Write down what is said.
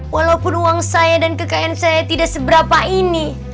walaupun uang saya dan kekn saya tidak seberapa ini